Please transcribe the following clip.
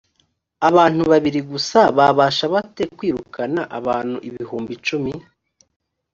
abantu babiri gusa babasha bate kwirukana abantu ibihumbi cumi?